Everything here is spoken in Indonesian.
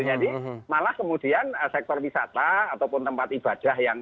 malah kemudian sektor wisata ataupun tempat ibadah yang